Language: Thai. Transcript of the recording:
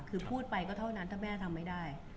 คือพูดไปก็เท่านั้นถ้าแม่ทำไม่ได้